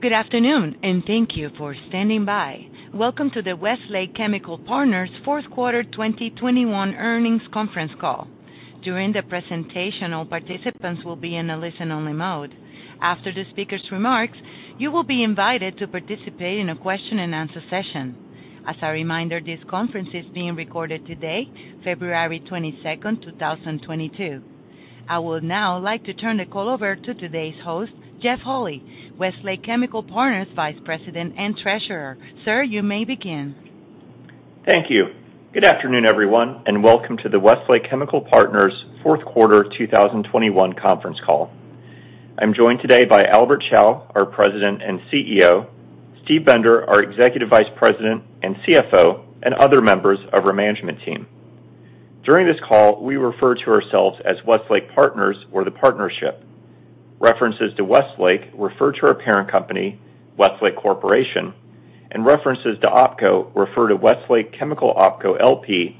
Good afternoon, and thank you for standing by. Welcome to the Westlake Chemical Partners Q4 2021 earnings conference call. During the presentation, all participants will be in a listen-only mode. After the speaker's remarks, you will be invited to participate in a question-and-answer session. As a reminder, this conference is being recorded today, February 22nd, 2022. I would now like to turn the call over to today's host, Jeff Holy, Westlake Chemical Partners Vice President and Treasurer. Sir, you may begin. Thank you. Good afternoon, everyone, and welcome to the Westlake Chemical Partners fourth quarter 2021 conference call. I'm joined today by Albert Chao, our President and CEO, Steve Bender, our Executive Vice President and CFO, and other members of our management team. During this call, we refer to ourselves as Westlake Partners or the Partnership. References to Westlake refer to our parent company, Westlake Corporation, and references to OpCo refer to Westlake Chemical OpCo LP,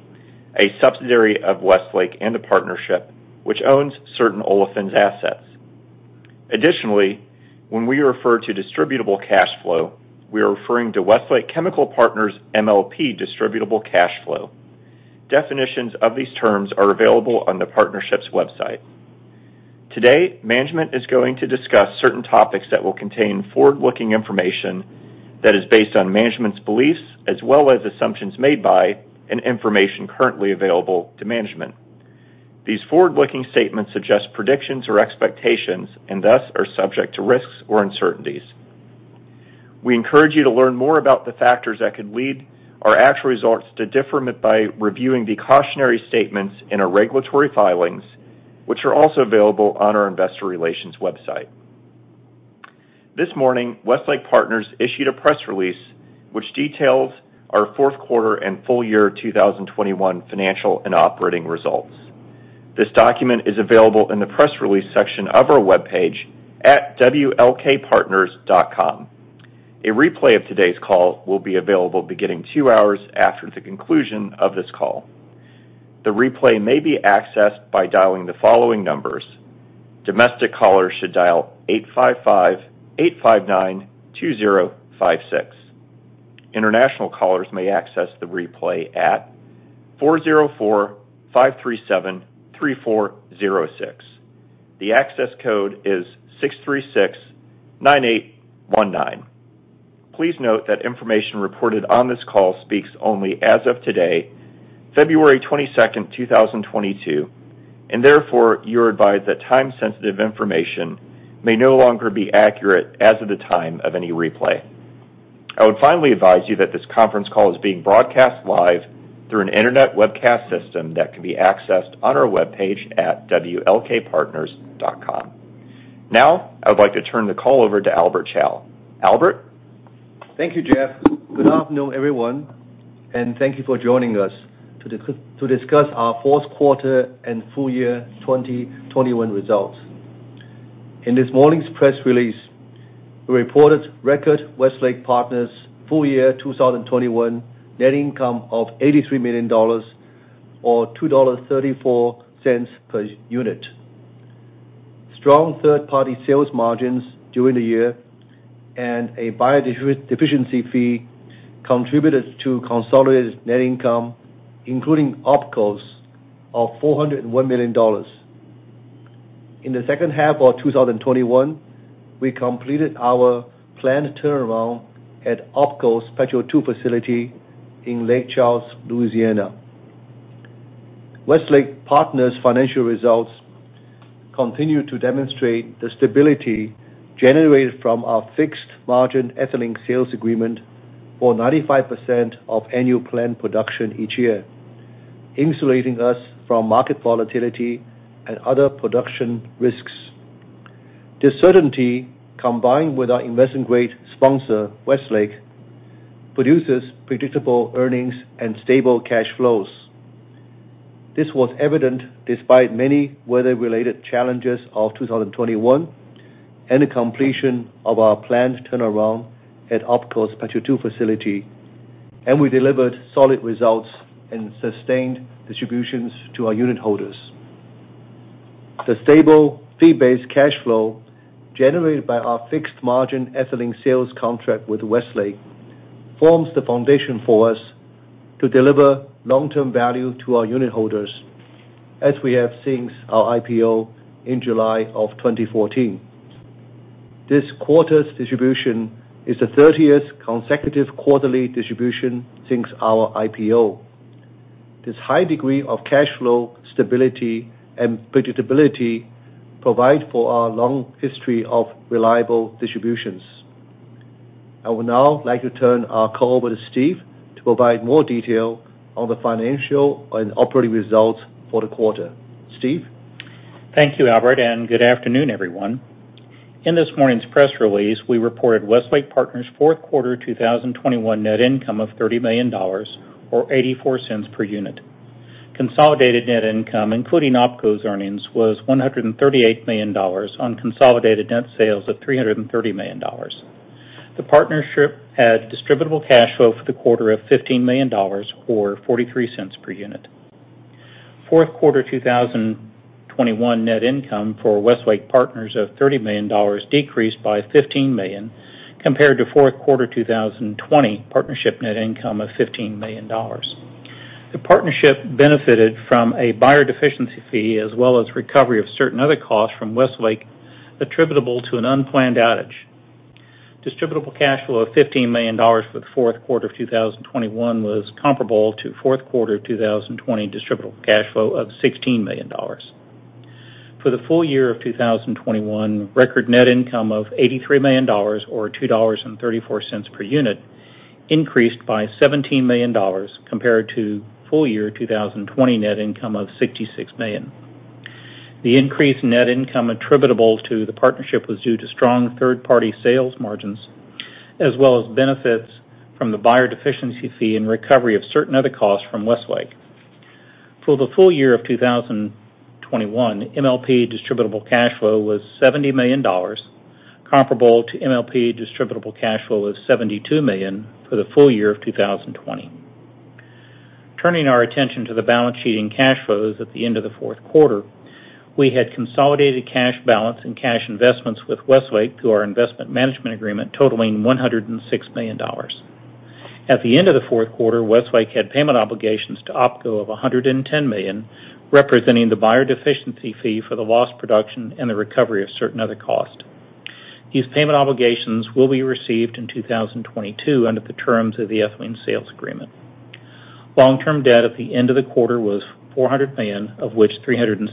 a subsidiary of Westlake and the Partnership, which owns certain olefins assets. Additionally, when we refer to distributable cash flow, we are referring to Westlake Chemical Partners MLP distributable cash flow. Definitions of these terms are available on the Partnership's website. Today, management is going to discuss certain topics that will contain forward-looking information that is based on management's beliefs as well as assumptions made by and information currently available to management. These forward-looking statements suggest predictions or expectations and, thus, are subject to risks or uncertainties. We encourage you to learn more about the factors that could lead our actual results to differ by reviewing the cautionary statements in our regulatory filings, which are also available on our investor relations website. This morning, Westlake Partners issued a press release which details our fourth quarter and full-year 2021 financial and operating results. This document is available in the press release section of our webpage at wlkpartners.com. A replay of today's call will be available beginning two hours after the conclusion of this call. The replay may be accessed by dialing the following numbers. Domestic callers should dial 855-859-2056. International callers may access the replay at 404-537-3406. The access code is 6369819. Please note that information reported on this call speaks only as of today, February 22nd, 2022, and therefore, you're advised that time-sensitive information may no longer be accurate as of the time of any replay. I would finally advise you that this conference call is being broadcast live through an internet webcast system that can be accessed on our webpage at wlkpartners.com. Now, I would like to turn the call over to Albert Chao. Albert? Thank you, Jeff. Good afternoon, everyone, and thank you for joining us to discuss our fourth quarter and full-year 2021 results. In this morning's press release, we reported record Westlake Partners full year 2021 net income of $83 million or $2.34 per unit. Strong third-party sales margins during the year and a buyer deficiency fee contributed to consolidated net income, including OpCo's of $401 million. In the second half of 2021, we completed our planned turnaround at OpCo's Petro 2 facility in Lake Charles, Louisiana. Westlake Partners' financial results continue to demonstrate the stability generated from our fixed-margin ethylene sales agreement for 95% of annual plant production each year, insulating us from market volatility and other production risks. This certainty, combined with our investment-grade sponsor, Westlake, produces predictable earnings and stable cash flows. This was evident despite many weather-related challenges of 2021 and the completion of our planned turnaround at OpCo's Petro 2 facility, and we delivered solid results and sustained distributions to our unitholders. The stable fee-based cash flow generated by our fixed-margin ethylene sales contract with Westlake forms the foundation for us to deliver long-term value to our unitholders, as we have since our IPO in July 2014. This quarter's distribution is the 30th consecutive quarterly distribution since our IPO. This high degree of cash flow stability and predictability provide for our long history of reliable distributions. I would now like to turn our call over to Steve to provide more detail on the financial and operating results for the quarter. Steve? Thank you, Albert, and good afternoon, everyone. In this morning's press release, we reported Westlake Partners' fourth quarter 2021 net income of $30 million or $0.84 per unit. Consolidated net income, including OpCo's earnings, was $138 million on consolidated net sales of $330 million. The Partnership had distributable cash flow for the quarter of $15 million or $0.43 per unit. Fourth quarter 2021 net income for Westlake Partners of $30 million decreased by $15 million compared to fourth quarter 2020 Partnership net income of $15 million. The Partnership benefited from a buyer deficiency fee as well as recovery of certain other costs from Westlake attributable to an unplanned outage. Distributable cash flow of $15 million for the fourth quarter of 2021 was comparable to fourth quarter of 2020 distributable cash flow of $16 million. For the full-year of 2021, record net income of $83 million or $2.34 per unit increased by $17 million compared to full-year 2020 net income of $66 million. The increased net income attributable to the partnership was due to strong third-party sales margins as well as benefits from the buyer deficiency fee and recovery of certain other costs from Westlake. For the full-year of 2021, MLP distributable cash flow was $70 million, comparable to MLP distributable cash flow of $72 million for the full year of 2020. Turning our attention to the balance sheet and cash flows at the end of the fourth quarter, we had consolidated cash balance and cash investments with Westlake through our investment management agreement totaling $106 million. At the end of the fourth quarter, Westlake had payment obligations to OpCo of $110 million, representing the buyer deficiency fee for the lost production and the recovery of certain other costs. These payment obligations will be received in 2022 under the terms of the ethylene sales agreement. Long-term debt at the end of the quarter was $400 million, of which $377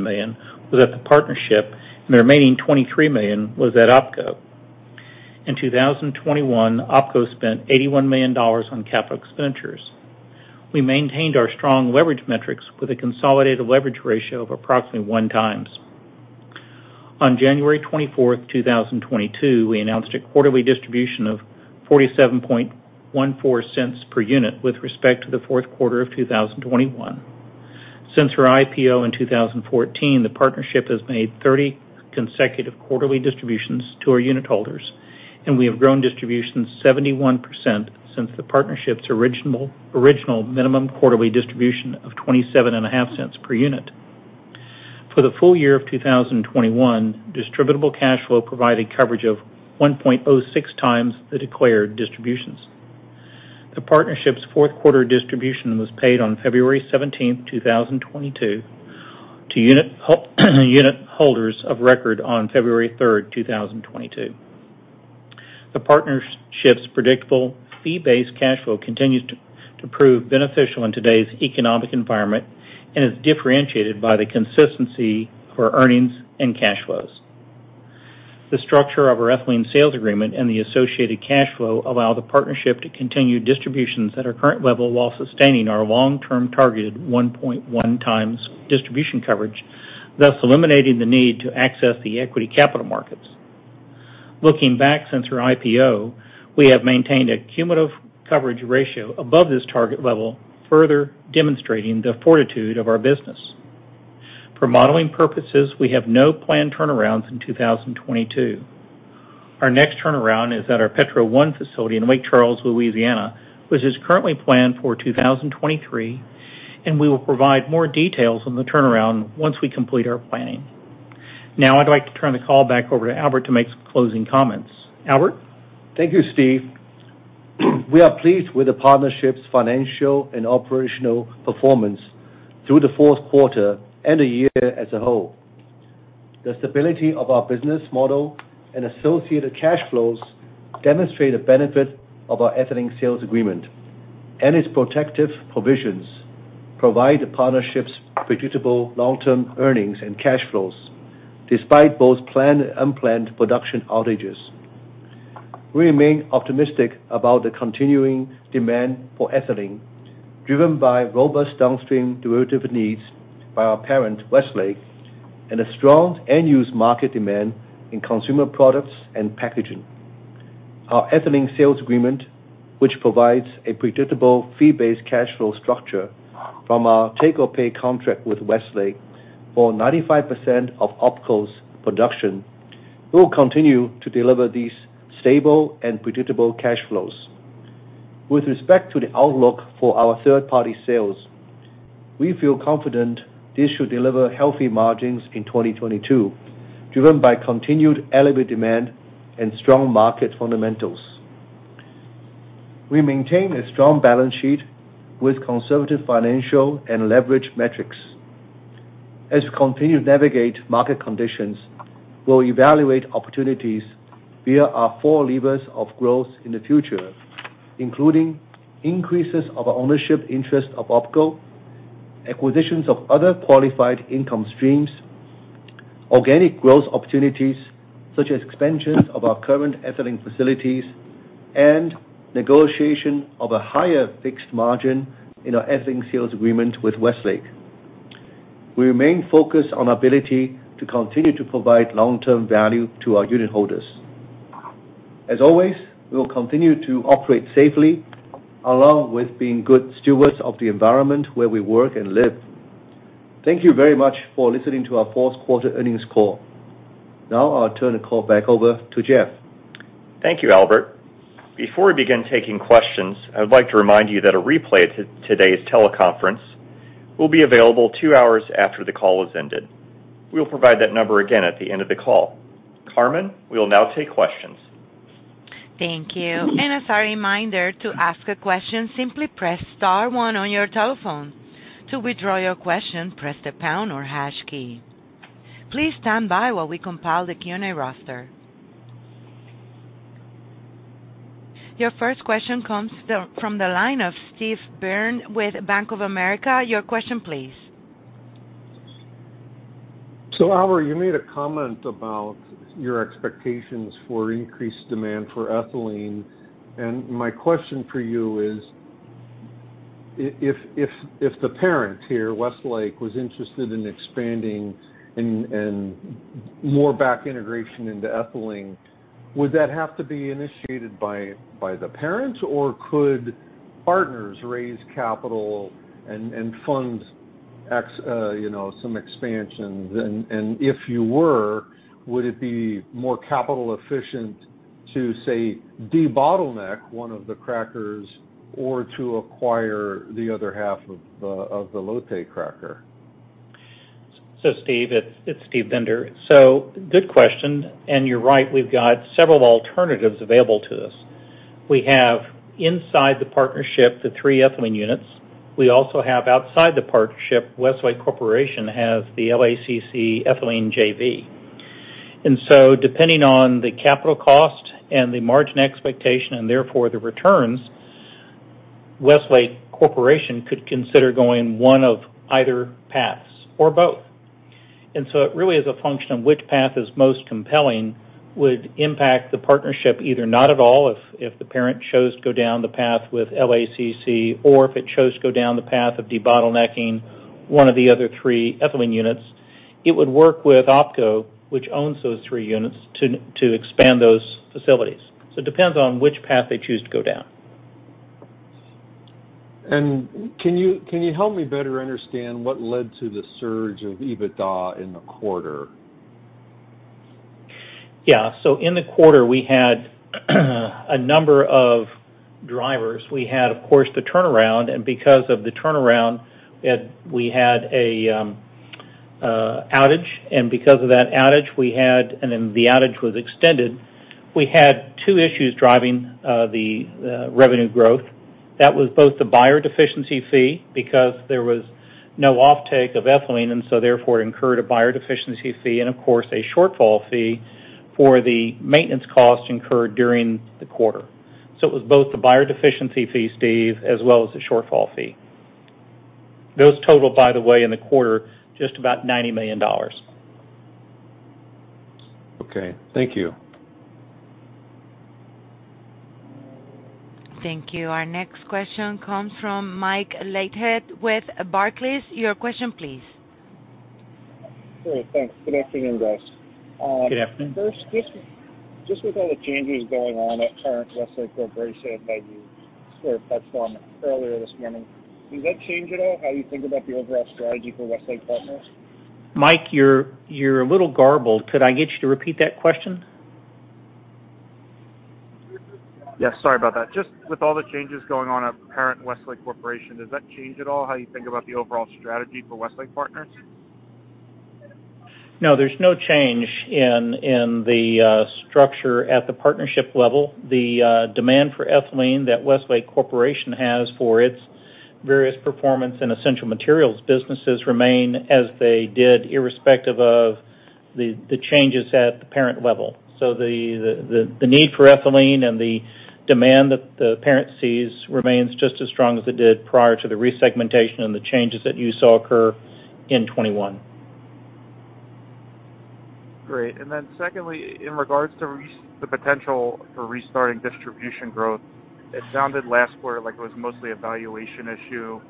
million was at the partnership and the remaining $23 million was at OpCo. In 2021, OpCo spent $81 million on capital expenditures. We maintained our strong leverage metrics with a consolidated leverage ratio of approximately 1x. On January 24th, 2022, we announced a quarterly distribution of $0.4714 per unit with respect to the fourth quarter of 2021. Since our IPO in 2014, the partnership has made 30 consecutive quarterly distributions to our unit holders, and we have grown distributions 71% since the partnership's original minimum quarterly distribution of $0.275 per unit. For the full-year of 2021, distributable cash flow provided coverage of 1.06x the declared distributions. The partnership's fourth quarter distribution was paid on February 17th, 2022 to unit holders of record on February 3rd, 2022. The partnership's predictable fee-based cash flow continues to prove beneficial in today's economic environment and is differentiated by the consistency of earnings and cash flows. The structure of our Ethylene Sales Agreement and the associated cash flow allow the partnership to continue distributions at our current level while sustaining our long-term targeted 1.1x distribution coverage, thus eliminating the need to access the equity capital markets. Looking back since our IPO, we have maintained a cumulative coverage ratio above this target level, further demonstrating the fortitude of our business. For modeling purposes, we have no planned turnarounds in 2022. Our next turnaround is at our Petro 1 facility in Lake Charles, Louisiana, which is currently planned for 2023, and we will provide more details on the turnaround once we complete our planning. Now, I'd like to turn the call back over to Albert to make some closing comments. Albert? Thank you, Steve. We are pleased with the partnership's financial and operational performance through the fourth quarter and the year as a whole. The stability of our business model and associated cash flows demonstrate the benefit of our Ethylene Sales Agreement, and its protective provisions provide the partnership's predictable long-term earnings and cash flows, despite both planned and unplanned production outages. We remain optimistic about the continuing demand for ethylene, driven by robust downstream derivative needs by our parent, Westlake, and a strong end-use market demand in consumer products and packaging. Our Ethylene Sales Agreement, which provides a predictable fee-based cash flow structure from our take-or-pay contract with Westlake for 95% of OpCo's production, will continue to deliver these stable and predictable cash flows. With respect to the outlook for our third-party sales, we feel confident this should deliver healthy margins in 2022, driven by continued elevated demand and strong market fundamentals. We maintain a strong balance sheet with conservative financial and leverage metrics. As we continue to navigate market conditions, we'll evaluate opportunities via our four levers of growth in the future, including increases in our ownership interest in OpCo, acquisitions of other qualified income streams, organic growth opportunities such as expansions of our current ethylene facilities, and negotiation of a higher fixed margin in our Ethylene Sales Agreement with Westlake. We remain focused on our ability to continue to provide long-term value to our unit holders. As always, we will continue to operate safely, along with being good stewards of the environment where we work and live. Thank you very much for listening to our fourth quarter earnings call. Now I'll turn the call back over to Jeff. Thank you, Albert. Before we begin taking questions, I would like to remind you that a replay to today's teleconference will be available two hours after the call has ended. We'll provide that number again at the end of the call. Carmen, we'll now take questions. Thank you. As a reminder to ask a question, simply press Star one on your telephone. To withdraw your question, press the Pound or Hash key. Please stand by while we compile the Q&A roster. Your first question comes from the line of Steve Byrne with Bank of America. Your question, please. Albert, you made a comment about your expectations for increased demand for ethylene. My question for you is, if the parent here, Westlake, was interested in expanding and more backward integration into ethylene, would that have to be initiated by the parent, or could partners raise capital and fund, you know, some expansions? If you were, would it be more capital efficient to, say, debottleneck one of the crackers or to acquire the other half of the Lotte cracker? Steve, it's Steve Bender. Good question, you're right. We've got several alternatives available to us. We have inside the partnership, the three ethylene units. We also have outside the partnership, Westlake Corporation has the LACC ethylene JV. Depending on the capital cost and the margin expectation, and therefore, the returns, Westlake Corporation could consider going one of either paths or both. It really is a function of which path is most compelling would impact the partnership, either not at all, if the parent chose to go down the path with LACC, or if it chose to go down the path of debottlenecking one of the other three ethylene units, it would work with OpCo, which owns those three units, to expand those facilities. It depends on which path they choose to go down. Can you help me better understand what led to the surge of EBITDA in the quarter? Yeah. In the quarter, we had a number of drivers. We had, of course, the turnaround, and because of the turnaround, we had an outage. Because of that outage, the outage was extended. We had two issues driving the revenue growth. That was both the buyer deficiency fee because there was no offtake of ethylene, and therefore it incurred a buyer deficiency fee, and of course, a shortfall fee for the maintenance costs incurred during the quarter. It was both the buyer deficiency fee, Steve, as well as the shortfall fee. Those total, by the way, in the quarter, just about $90 million. Okay. Thank you. Thank you. Our next question comes from Mike Leithead with Barclays. Your question, please. Great. Thanks. Good afternoon, guys. Good afternoon. First, just with all the changes going on at parent Westlake Corporation buy the Boral platform earlier this morning, does that change at all how you think about the overall strategy for Westlake Partners? Mike, you're a little garbled. Could I get you to repeat that question? Yes, sorry about that. Just with all the changes going on at parent Westlake Corporation, does that change at all how you think about the overall strategy for Westlake Partners? No, there's no change in the structure at the partnership level. The demand for ethylene that Westlake Corporation has for its various performance and essential materials businesses remain as they did, irrespective of the changes at the parent level. The need for ethylene and the demand that the parent sees remains just as strong as it did prior to the resegmentation and the changes that you saw occur in 2021. Great. Secondly, in regards to the potential for restarting distribution growth, it sounded last quarter like it was mostly a valuation issue.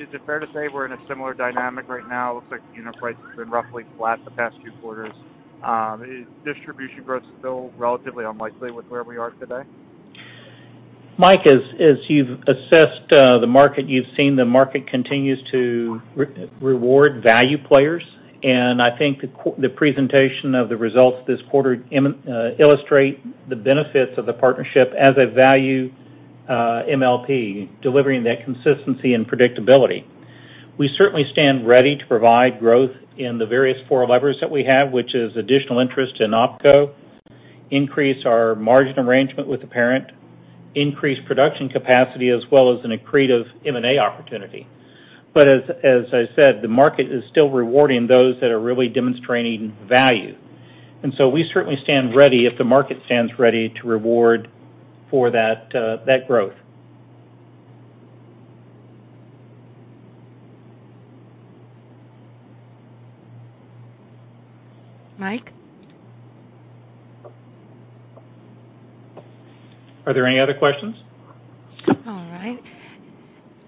Is it fair to say we're in a similar dynamic right now? It looks like the unit price has been roughly flat the past few quarters. Is distribution growth still relatively unlikely with where we are today? Mike, as you've assessed the market, you've seen the market continues to reward value players. I think the presentation of the results this quarter illustrate the benefits of the partnership as a value MLP, delivering that consistency and predictability. We certainly stand ready to provide growth in the various four levers that we have, which is additional interest in OpCo, increase our margin arrangement with the parent, increase production capacity, as well as an accretive M&A opportunity. As I said, the market is still rewarding those that are really demonstrating value. We certainly stand ready if the market stands ready to reward for that growth. Mike? Are there any other questions?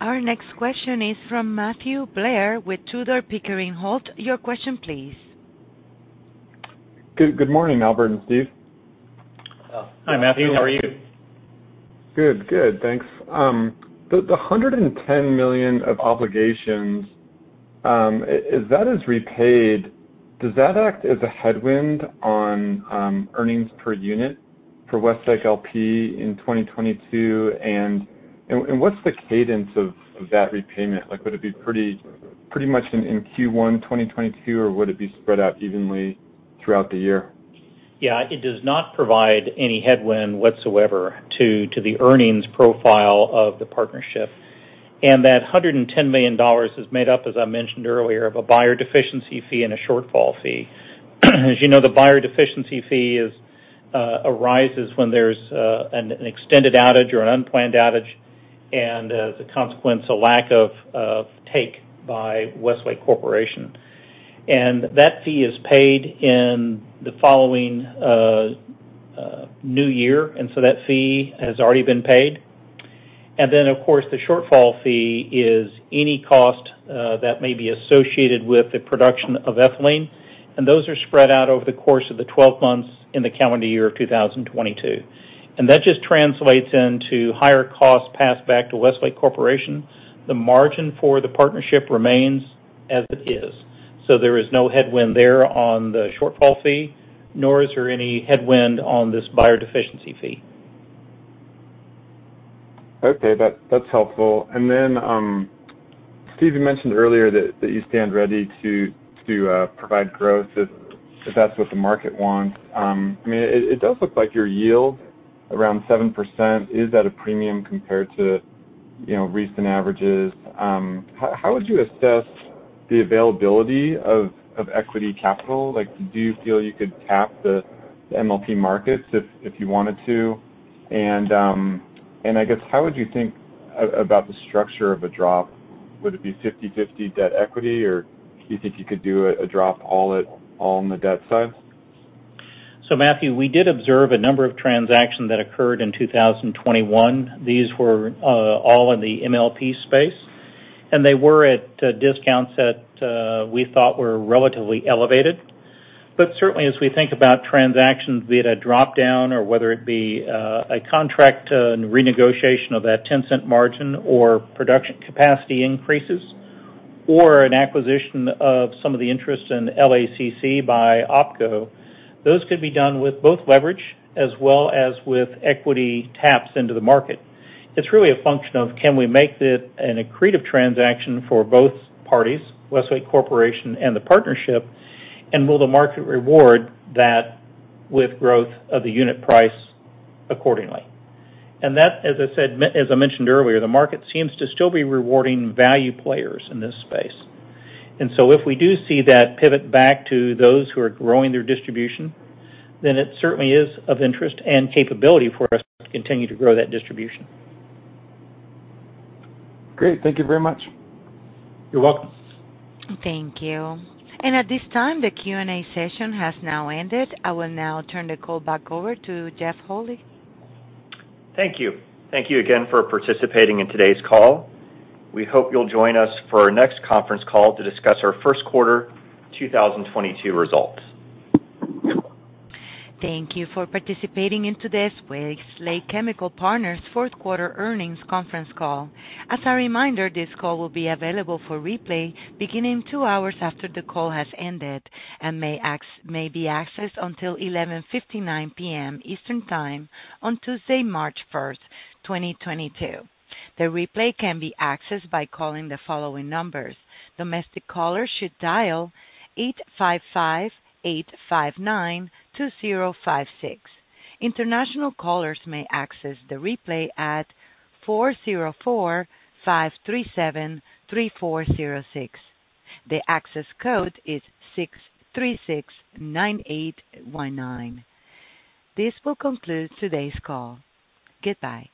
All right. Our next question is from Matthew Blair with Tudor, Pickering, Holt. Your question, please. Good morning, Albert and Steve. Hi, Matthew. How are you? Good. Thanks. The $110 million of obligations, is that repaid? Does that act as a headwind on earnings per unit for Westlake LP in 2022? What's the cadence of that repayment? Like, would it be pretty much in Q1 2022 or would it be spread out evenly throughout the year? Yeah. It does not provide any headwind whatsoever to the earnings profile of the partnership. That $110 million is made up, as I mentioned earlier, of a buyer deficiency fee and a shortfall fee. As you know, the buyer deficiency fee arises when there's an extended outage or an unplanned outage, and as a consequence, a lack of take by Westlake Corporation. That fee is paid in the following new year, and so that fee has already been paid. Then, of course, the shortfall fee is any cost that may be associated with the production of ethylene, and those are spread out over the course of the 12 months in the calendar year of 2022. That just translates into higher costs passed back to Westlake Corporation. The margin for the partnership remains as it is. There is no headwind there on the shortfall fee, nor is there any headwind on this buyer deficiency fee. Okay. That's helpful. Steve, you mentioned earlier that you stand ready to provide growth if that's what the market wants. I mean, it does look like your yield around 7% is at a premium compared to, you know, recent averages. How would you assess the availability of equity capital? Like, do you feel you could tap the MLP markets if you wanted to? I guess how would you think about the structure of a drop? Would it be 50/50 debt equity, or do you think you could do a drop all on the debt side? Matthew, we did observe a number of transactions that occurred in 2021. These were all in the MLP space, and they were at discounts that we thought were relatively elevated. Certainly, as we think about transactions, be it a drop-down or whether it be a contract and renegotiation of that 10-cent margin or production capacity increases, or an acquisition of some of the interest in LACC by OpCo, those could be done with both leverage as well as with equity taps into the market. It's really a function of can we make it an accretive transaction for both parties, Westlake Corporation and the Partnership, and will the market reward that with growth of the unit price accordingly? That, as I mentioned earlier, the market seems to still be rewarding value players in this space. If we do see that pivot back to those who are growing their distribution, then it certainly is of interest and capability for us to continue to grow that distribution. Great. Thank you very much. You're welcome. Thank you. At this time, the Q&A session has now ended. I will now turn the call back over to Jeff Holy. Thank you. Thank you again for participating in today's call. We hope you'll join us for our next conference call to discuss our first quarter 2022 results. Thank you for participating in today's Westlake Chemical Partners fourth quarter earnings conference call. As a reminder, this call will be available for replay beginning two hours after the call has ended and may be accessed until 11:59 P.M. Eastern Time on Tuesday, March 1st, 2022. The replay can be accessed by calling the following numbers. Domestic callers should dial 855-859-2056. International callers may access the replay at 404-537-3406. The access code is 6369819. This will conclude today's call. Goodbye.